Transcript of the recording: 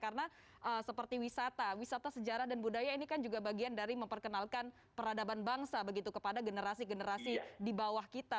karena seperti wisata wisata sejarah dan budaya ini kan juga bagian dari memperkenalkan peradaban bangsa kepada generasi generasi di bawah kita